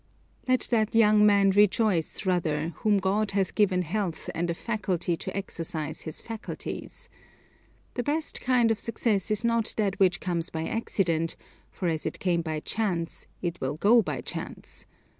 Let that young man rejoice, rather, whom God hath given health and a faculty to exercise his faculties. The best kind of success is not that which comes by accident, for as it came by chance it will go by chance.